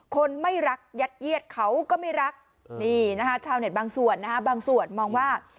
คนไม่รักยัดเยียดเขาก็ไม่รักนี่นะคะชาวเน็ตบางส่วนนะฮะบางส่วนมองว่า